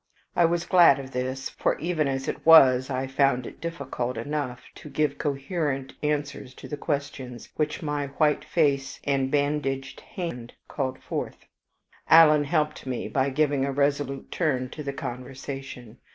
I was glad of this, for even as it was I found it difficult enough to give coherent answers to the questions which my white face and bandaged hand called forth. Alan helped me by giving a resolute turn to the conversation.